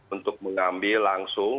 untuk mengambil langsung